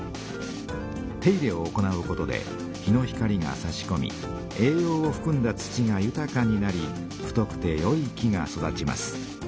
手入れを行うことで日の光がさしこみ栄養をふくんだ土がゆたかになり太くてよい木が育ちます。